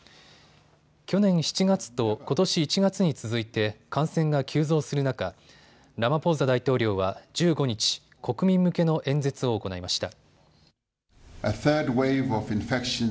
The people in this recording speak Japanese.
去年７月とことし１月に続いて感染が急増する中、ラマポーザ大統領は１５日、国民向けの演説を行いました。